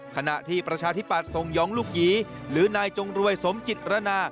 ขณะที่ประชาธิปัตยส่งหยองลูกหยีหรือนายจงรวยสมจิตรณา